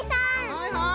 はいはい！